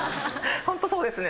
ホントそうですね。